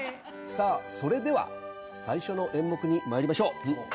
さあそれでは最初の演目に参りましょう。